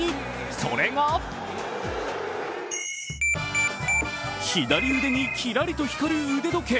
それが左腕にキラリと光る腕時計。